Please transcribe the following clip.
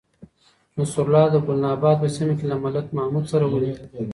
نصرالله د گلناباد په سیمه کې له ملک محمود سره ولیدل.